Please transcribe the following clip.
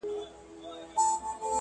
ورو ورو روښان.